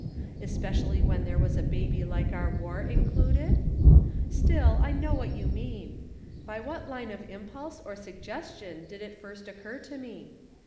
Especially when there was a baby like our War included ? Still, I know what you mean. By what line of impulse or suggestion did it first occur to me